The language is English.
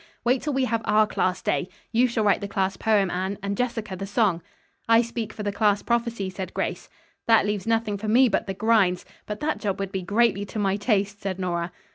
"Wait till we have our class day. You shall write the class poem, Anne, and Jessica the song." "I speak for the class prophecy," said Grace. "That leaves nothing for me but the grinds. But that job would be greatly to my taste," said Nora.